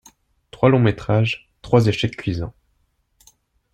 Trois longs métrages, trois échecs cuisants.